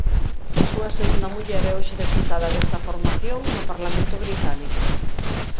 A súa segunda muller é hoxe deputada desta formación no parlamento británico.